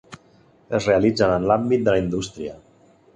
Es realitzen en l'àmbit de la indústria.